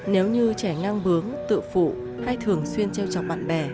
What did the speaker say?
nếu như trẻ ngang bướng tự phụ hay thường xuyên treo chọc bạn bè